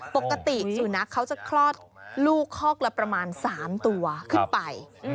ปกติสุนัขเขาจะคลอดลูกคอกละประมาณ๓ตัวขึ้นไป